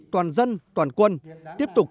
toàn dân toàn quân tiếp tục